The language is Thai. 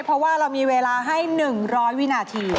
เพราะว่าเรามีเวลาให้๑๐๐วินาที